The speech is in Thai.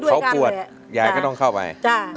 เขาปวดยายก็ต้องเข้าไป